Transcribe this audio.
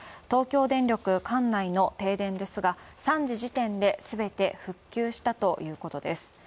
東京電力管内の停電ですが、３時時点で全て復旧したということです。